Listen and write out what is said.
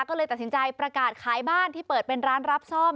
ก็เลยตัดสินใจประกาศขายบ้านที่เปิดเป็นร้านรับซ่อม